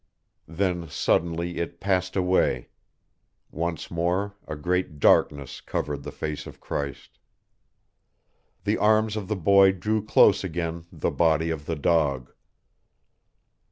Then suddenly it passed away: once more a great darkness covered the face of Christ. The arms of the boy drew close again the body of the dog.